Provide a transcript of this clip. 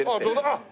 あっ！